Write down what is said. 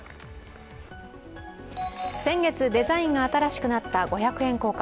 先月、デザインが新しくなった五百円硬貨。